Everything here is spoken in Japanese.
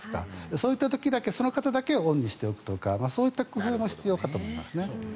そういう時だけ、その方だけオンにしておくとかそういった工夫も必要かと思いますね。